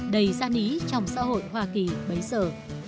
đầy gian ý trong xã hội hoa kỳ bấy giờ